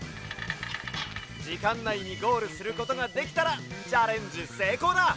じかんないにゴールすることができたらチャレンジせいこうだ！